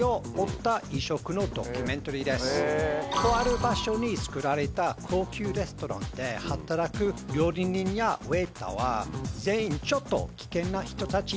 とある場所につくられた高級レストランで働く料理人やウエーターは全員ちょっと危険な人たち。